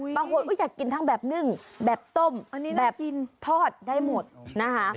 บางคนก็อยากกินทั้งแบบนึ่งแบบต้มแบบกินทอดได้หมดนะคะ